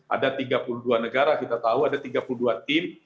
ada tiga puluh dua negara kita tahu ada tiga puluh dua tim